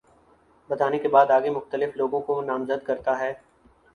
بتانے کے بعد آگے مختلف لوگوں کو نامزد کرتا ہے